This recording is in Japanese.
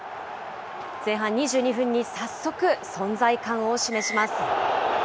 前半２２分に早速、存在感を示します。